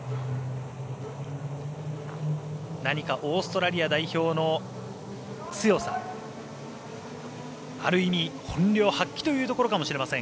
何かオーストラリア代表の強さある意味、本領発揮というところかもしれません。